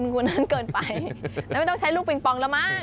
คุณนั้นเกินไปแล้วไม่ต้องใช้ลูกปิงปองแล้วมั้ง